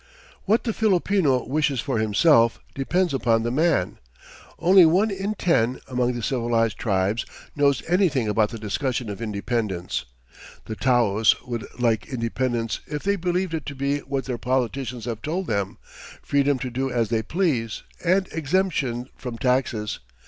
What the Filipino wishes for himself depends upon the man. Only one in ten, among the civilized tribes, knows anything about the discussion of independence. The taos would like independence if they believe it to be what their politicians have told them freedom to do as they please, and exemption from taxes.